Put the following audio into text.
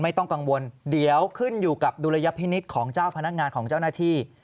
ไม่ต้องกังวลเดี๋ยวขึ้นอยู่กับดุลยพินิษฐ์ของเจ้าพนักงานของเจ้าหน้าที่